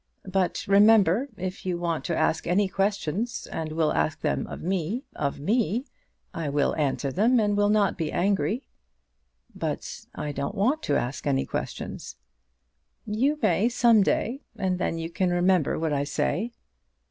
But remember, if you want to ask any questions, and will ask them of me, of me, I will answer them, and will not be angry." "But I don't want to ask any questions." "You may some day; and then you can remember what I say."